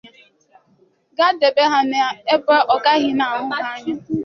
gaa debe ha n'ebe ọ gaghị na-ahụ ha anya